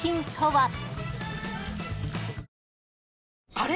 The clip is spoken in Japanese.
あれ？